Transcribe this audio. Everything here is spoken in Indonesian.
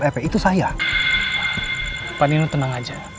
pak nino tenang aja